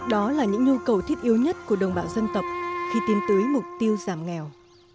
đó là những nhu cầu thiết yếu nhất của đồng bào dân tộc khi tiến tới mục tiêu giảm nghèo